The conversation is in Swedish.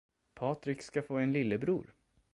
Patrik ska få en lillebror.